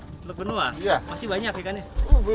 teluk benoa masih banyak ikannya